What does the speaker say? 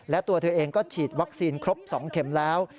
และตัวเธอเองก็ฉีดวัคซีนครบ๒เข็มแล้ว